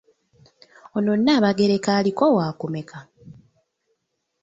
Ono Nnaabagereka aliko waakumeka?